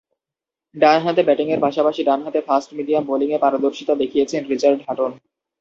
ডানহাতে ব্যাটিংয়ের পাশাপাশি ডানহাতে ফাস্ট-মিডিয়াম বোলিংয়ে পারদর্শীতা দেখিয়েছেন রিচার্ড হাটন।